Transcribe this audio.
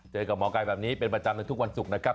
เจอกับหมอไก่แบบนี้เป็นประจำในทุกวันศุกร์นะครับ